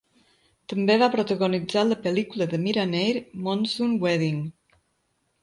També va protagonitzar la pel·lícula de Mira Nair "Monsoon Wedding".